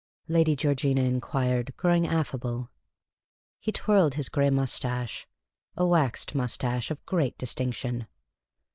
" Lady Georgina inquired, growing affable. He twirled his grey moustache — a waxed moustache of great distinction.